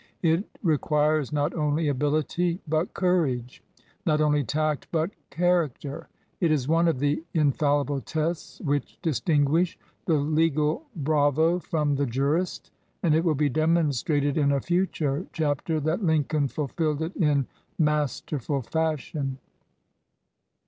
It requires not only ability but courage ; not only tact, but character. It is one of the in fallible tests which distinguish the legal bravo from the jurist, and it will be demonstrated in a future chapter that Lincoln fulfilled it in mas terful fashion.